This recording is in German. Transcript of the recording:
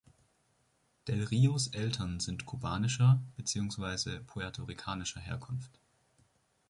Del Rios Eltern sind kubanischer, beziehungsweise puerto-ricanischer Herkunft.